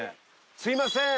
すみません！